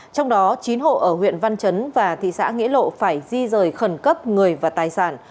trong đó chín hộ ở huyện văn chấn và thị xã nghĩa lộ phải di rời khẩn cấp người và tài sản